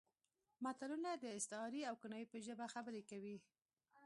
متلونه د استعارې او کنایې په ژبه خبرې کوي